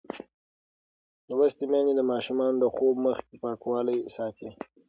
لوستې میندې د ماشومانو د خوب مخکې پاکوالی ساتي.